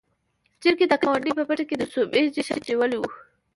چرګې د ګاونډي په پټي کې د سوبې جشن نيولی و.